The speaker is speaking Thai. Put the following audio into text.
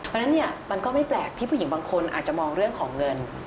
เพราะฉะนั้นเนี่ยมันก็ไม่แปลกที่ผู้หญิงบางคนอาจจะมองเรื่องของเงิน